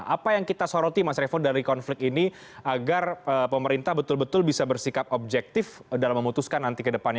apa yang kita soroti mas revo dari konflik ini agar pemerintah betul betul bisa bersikap objektif dalam memutuskan nanti ke depannya